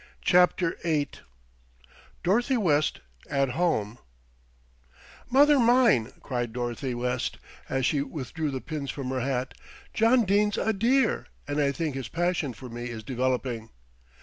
CHAPTER VIII DOROTHY WEST AT HOME "Mother mine," cried Dorothy West, as she withdrew the pins from her hat, "John Dene's a dear, and I think his passion for me is developing."